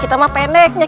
kita mah pendeknya